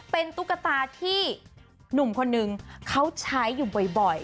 เป็นตุ๊กตาที่หนุ่มคนนึงเขาใช้อยู่บ่อย